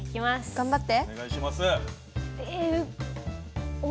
頑張った。